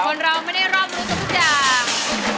เราไม่ได้รอบรู้ทุกอย่าง